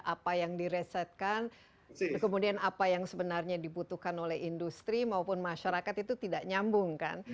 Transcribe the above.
apa yang diresetkan kemudian apa yang sebenarnya dibutuhkan oleh industri maupun masyarakat itu tidak nyambung kan